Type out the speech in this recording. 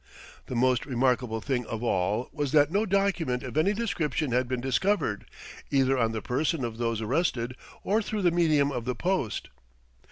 The most remarkable thing of all was that no document of any description had been discovered, either on the person of those arrested, or through the medium of the post.